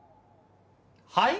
はい？